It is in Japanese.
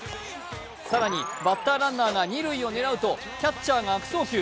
更にバッターランナーが二塁を狙うとキャッチャーが悪送球。